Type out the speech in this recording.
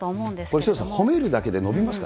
それ、潮田さん、褒めるだけで伸びますか？